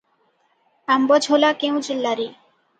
ଆମ୍ବଝୋଲା କେଉଁ ଜିଲ୍ଲାରେ?